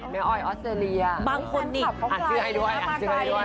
แม่อ้อยออสเตอรีอ่ะอ่านเสื้อให้ด้วยนะคุณผู้ชมบางคนอีก